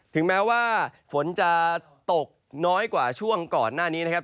ถึงแม้ว่าฝนจะตกน้อยกว่าช่วงก่อนหน้านี้นะครับ